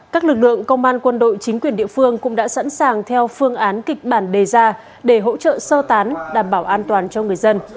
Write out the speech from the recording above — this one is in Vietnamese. các lực lượng công an quân đội chính quyền địa phương cũng đã sẵn sàng theo phương án kịch bản đề ra để hỗ trợ sơ tán đảm bảo an toàn cho người dân